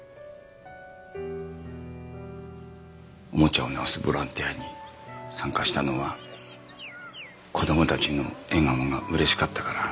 おもちゃを直すボランティアに参加したのは子供たちの笑顔が嬉しかったから。